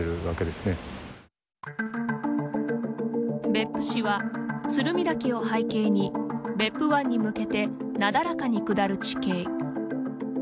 別府市は鶴見岳を背景に別府湾に向けてなだらかに下る地形。